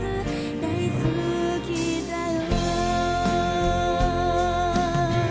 大好きだよ